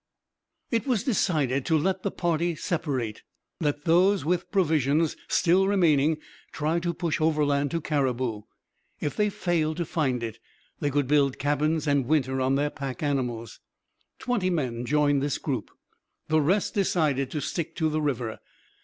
It was decided to let the party separate. Let those with provisions still remaining try to push overland to Cariboo. If they failed to find it, they could build cabins and winter on their pack animals. Twenty men joined this group. The rest decided to stick to the river.